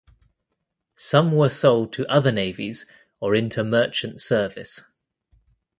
Some were sold to other navies or into merchant service.